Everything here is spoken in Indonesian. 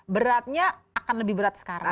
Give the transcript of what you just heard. beratnya akan lebih berat sekarang